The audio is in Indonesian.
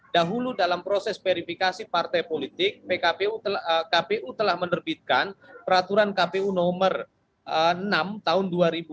dahulu dalam proses verifikasi partai politik pkpu telah menerbitkan peraturan kpu nomor enam tahun dua ribu dua puluh